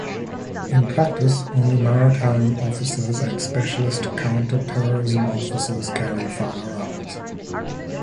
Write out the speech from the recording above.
In practice only maritime officers and specialist counter terrorism officers carry firearms.